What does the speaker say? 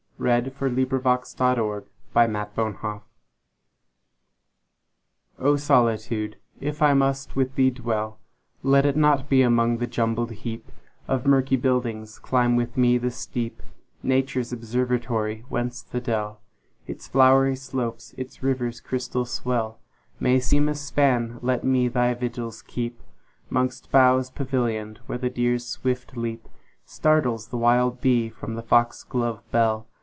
1884. 20. O Solitude! if I must with thee dwell O SOLITUDE! if I must with thee dwell, Let it not be among the jumbled heapOf murky buildings; climb with me the steep,—Nature's observatory—whence the dell, Its flowery slopes, its river's crystal swell, May seem a span; let me thy vigils keep'Mongst boughs pavillion'd, where the deer's swift leapStartles the wild bee from the fox glove bell.